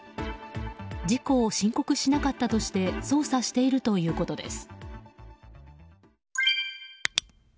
事故を申告しなかったとして捜査しているということです。